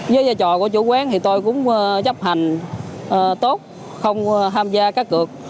với giai trò của chủ quán thì tôi cũng chấp hành tốt không tham gia cá cực